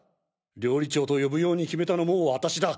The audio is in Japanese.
料理長と呼ぶように決めたのも私だ！